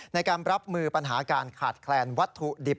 ในการรับมือปัญหาการขาดแคลนวัตถุดิบ